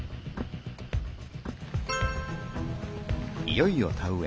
いよいよ田植え。